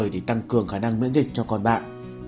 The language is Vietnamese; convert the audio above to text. đăng cường khả năng miễn dịch cho con bạn